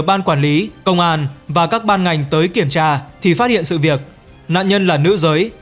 ban quản lý công an và các ban ngành tới kiểm tra thì phát hiện sự việc nạn nhân là nữ giới